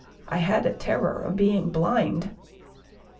I had a terror of being blind.